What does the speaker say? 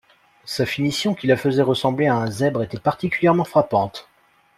Sa finition qui la faisait ressembler à un zèbre était particulièrement frappante.